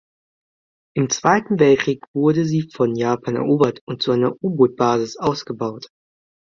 Im Zweiten Weltkrieg wurde sie von Japan erobert und zu einer U-Boot-Basis ausgebaut.